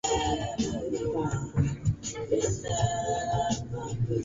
zaidi bila kutumia asilimia Kuna ada ndogo